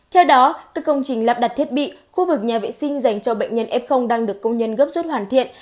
theo đó các công trình lắp đặt thiết bị khu vực nhà vệ sinh dành cho bệnh nhân f đang được công nhân gấp rút hoàn thiện